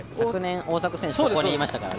大迫選手、そこにいましたからね。